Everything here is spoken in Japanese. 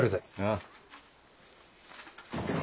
ああ。